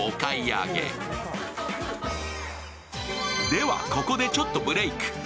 ではここでちょっとブレーク。